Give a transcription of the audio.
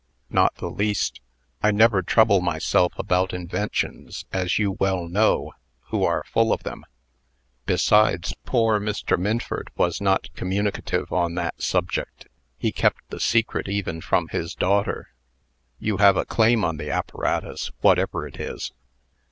"Not the least. I never trouble myself about inventions, as you well know, who are full of them. Besides, poor Mr. Minford was not communicative on that subject. He kept the secret even from his daughter." "You have a claim on the apparatus, whatever it is."